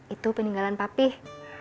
itu peninggalan papih